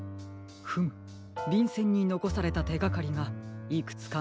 フムびんせんにのこされたてがかりがいくつかみつかりましたよ。